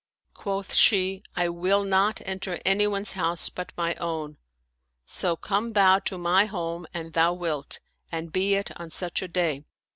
Quoth she, I will not enter anyone's house but my own ; so come thou to my home, an thou wilt, and be it on such a day.